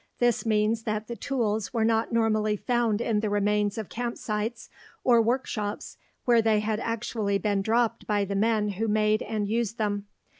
This means that the tools were not normally found in the remains of camp sites or work shops where they had actually been dropped by the men who made and used them.